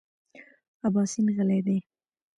اباسین غلی دی .